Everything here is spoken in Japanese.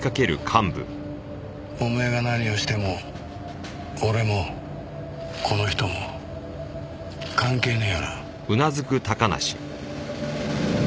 お前が何をしても俺もこの人も関係ねえよな？